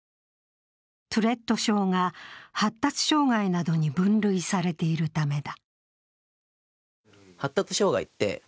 トゥレット症が発達障害などに分類されているためだ。